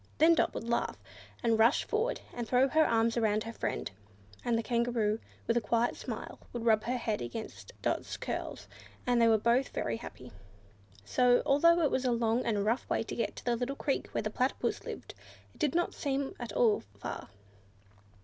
Then Dot would laugh, and rush forward, and throw her arms around her friend; and the Kangaroo, with a quiet smile, would rub her little head against Dot's curls, and they were both very happy. So, although it was really a long and rough way to the little creek where the Platypus lived, it did not seem at all far.